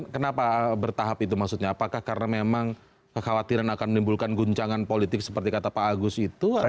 kenapa bertahap itu maksudnya apakah karena memang kekhawatiran akan menimbulkan guncangan politik seperti kata pak agus itu